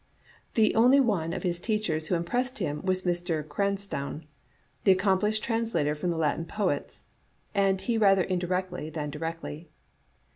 The only one of his teachers who impressed him was Dr. Cranstoun, the accomplished translator from the Latin poets, and he rather indirectly than directly.